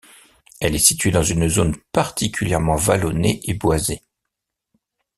Elle est située dans une zone particulièrement vallonnée et boisée.